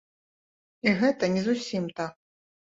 І гэта не зусім так.